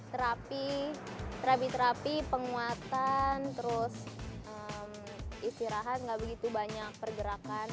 terapi terapi terapi penguatan terus istirahat nggak begitu banyak pergerakan